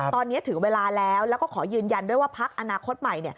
ตอนนี้ถึงเวลาแล้วแล้วก็ขอยืนยันด้วยว่าพักอนาคตใหม่